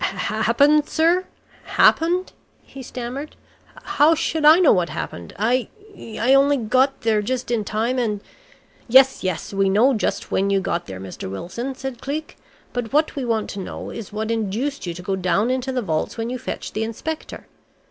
"Happened, sir happened?" he stammered. "How should I know what happened? I I only got there just in time and " "Yes, yes. We know just when you got there, Mr. Wilson," said Cleek, "but what we want to know is what induced you to go down into the vaults when you fetched the inspector?